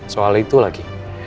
soal itu lagi